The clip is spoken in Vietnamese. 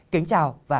kính chào và hẹn gặp lại